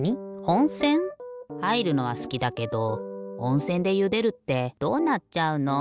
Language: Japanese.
おんせん？はいるのはすきだけどおんせんでゆでるってどうなっちゃうの？